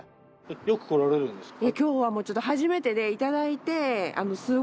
よく来られるんですか？